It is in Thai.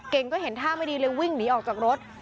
เก่งก็เห็นท่าไม่ดีเลยวิ่งหนีออกจากรถ